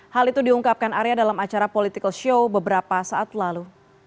hal itu diungkapkan area dalam acara political show beberapa saat lalu